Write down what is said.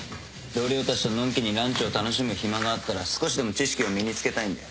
同僚たちとのんきにランチを楽しむ暇があったら少しでも知識を身に付けたいんで。